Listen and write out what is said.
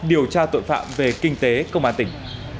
điều tra tội phạm về kinh tế công an tỉnh